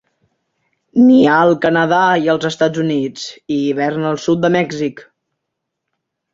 Nia al Canadà i els Estats Units i hiberna al sud de Mèxic.